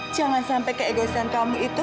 jangan sampai keegesan kamu itu